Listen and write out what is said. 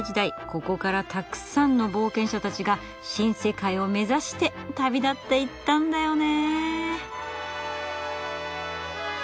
ここからたくさんの冒険者たちが新世界を目指して旅立っていったんだよね。